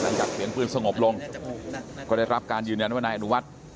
จากเสียงปืนสงบลงก็ได้รับการยืนยันว่านายอนุวัฒน์